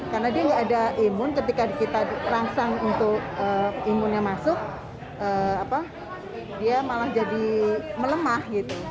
karena dia tidak ada imun ketika kita rangsang untuk imunnya masuk dia malah jadi melemah